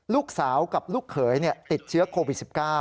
ลูกสาวกับลูกเขยติดเชื้อโควิด๑๙